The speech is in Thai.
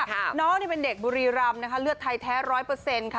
เจ้านี่เป็นเด็กบุรีรำเลือดไทยแท้๑๐๐ค่ะ